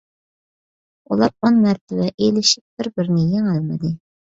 ئۇلار ئون مەرتىۋە ئېلىشىپ بىر - بىرىنى يېڭەلمىدى.